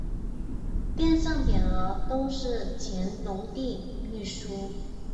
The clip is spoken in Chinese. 殿上匾额都是乾隆帝御书。